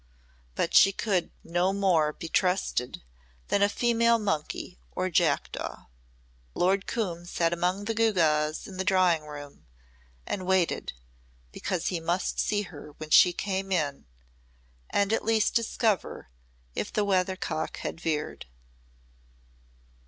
But she could no more be trusted than a female monkey or jackdaw. Lord Coombe sat among the gewgaws in the drawing room and waited because he must see her when she came in and at least discover if the weather cock had veered.